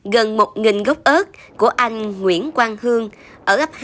gần một gốc ớt của anh nguyễn quang hương ở gấp hai xã trần hợi